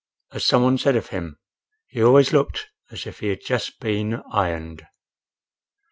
As some one said of him, he always looked as if he had just been ironed.